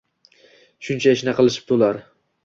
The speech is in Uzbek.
Shuncha ishni qilishibdi ular.